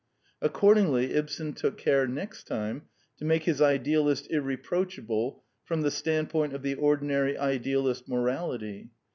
Accordingly, Ibsen took care next time to make his idealist irre proachable from the standpoint of the ordinary idealist morality.